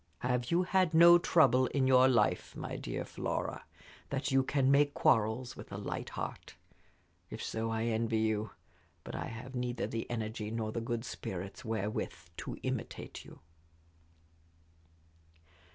Have you had no trouble in your life, my dear Flora, that you can make quarrels with a light heart? If so, I envy you; but I have neither the energy nor the good spirits wherewith to imitate you."